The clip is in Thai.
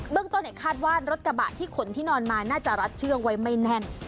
เบื้องต้นเนี่ยคาดว่ารถกระบะที่ขนที่นอนมาน่าจะรัดเชื่อมไว้ไม่แน่น